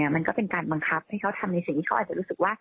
มันก็เป็นการบังคับให้เขาทำในสิ่งที่เขาอาจจะรู้สึกว่า